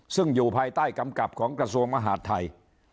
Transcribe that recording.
ซึ่งอยู่ภายใต้กำกับของกระทรวงมหาดไทย